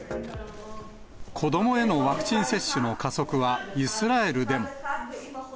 子どもへのワクチン接種の加速はイスラエルでも。